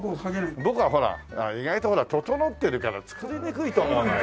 僕はほら意外とほら整ってるから作りにくいと思うのよ。